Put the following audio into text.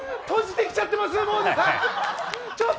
閉じてきちゃってます！